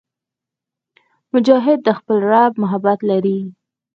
مجاهد د خپل رب محبت لري.